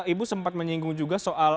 ibu sempat menyinggung juga soal